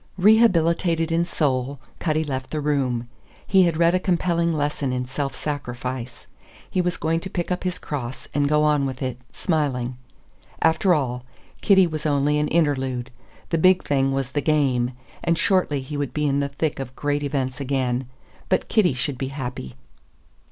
Rehabilitated in soul, Cutty left the room. He had read a compelling lesson in self sacrifice. He was going to pick up his cross and go on with it, smiling. After all, Kitty was only an interlude; the big thing was the game; and shortly he would be in the thick of great events again. But Kitty should be happy.